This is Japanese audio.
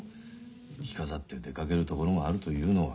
着飾って出かける所があるというのは。